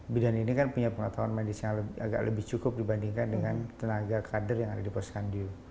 bidan ini kan punya pengetahuan medis yang agak lebih cukup dibandingkan dengan tenaga kader yang ada di posyandu